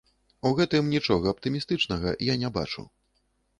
У гэтым нічога аптымістычнага я не бачу.